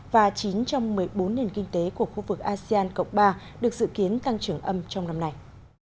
và chín trong một mươi bốn nền kinh tế của khu vực asean cộng ba được dự kiến tăng trưởng âm trong năm nay